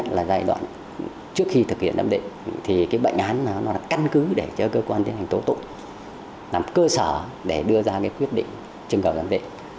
thì cái bệnh án nó là căn cứ để cho cơ quan tiến hành tố tụng làm cơ sở để đưa ra cái quyết định trưng cầu giám định